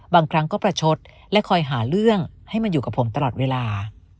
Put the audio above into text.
บางครั้งก็ประชดและคอยหาเรื่องให้มาอยู่กับผมตลอดเวลา